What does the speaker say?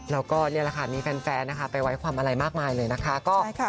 แล้วก็มีแฟนไปไว้ความอะไรมากมายเลยนะคะ